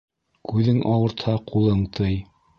Күҙең ауыртһа, ҡулың тый.